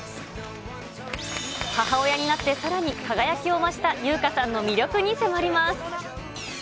母親になって、さらに輝きを増した優香さんの魅力に迫ります。